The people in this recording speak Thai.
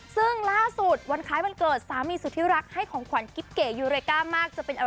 ซึ่งล่าสุดวันคล้ายวันเกิดสามีสุธิรักให้ของขวัญกิ๊บเก๋ยูเรก้ามากจะเป็นอะไร